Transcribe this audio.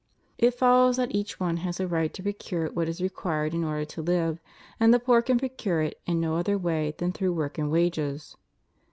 It follows that each one has a right to procure what is re quired in order to live; and the poor can procure it in no other way than through work and wages.